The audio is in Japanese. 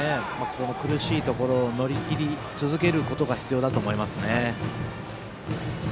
苦しいところを乗り切り続けることが必要だと思いますね。